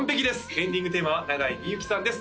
エンディングテーマは永井みゆきさんです